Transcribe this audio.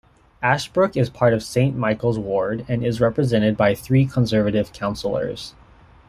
Ashbrooke is part of Saint Michael's ward and is represented by three Conservative councillors.